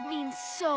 そう！